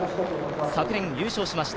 昨年優勝しました。